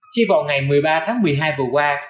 khi vào ngày một mươi ba tháng một mươi hai vừa qua